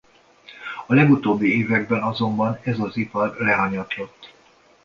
A legutóbbi években azonban ez az ipar lehanyatlott.